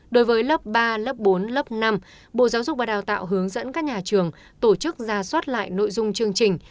đối với lớp ba lớp bốn lớp năm bộ giáo dục và đào tạo hướng dẫn các nhà trường tổ chức ra soát lại nội dung chương trình